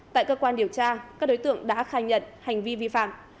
tại cơ quan điều tra các đối tượng đã khai nhận hành vi vi phạm